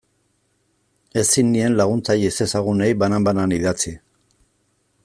Ezin nien laguntzaile ezezagunei banan-banan idatzi.